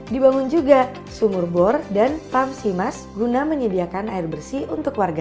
dibangun juga sumur bor dan pamsimas guna menyediakan air bersih untuk warga